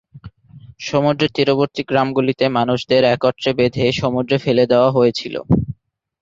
সমুদ্রের তীরবর্তী গ্রামগুলিতে মানুষদের একত্রে বেঁধে সমুদ্রে ফেলে দেওয়া হয়েছিল।